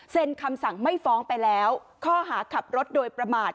คำสั่งไม่ฟ้องไปแล้วข้อหาขับรถโดยประมาท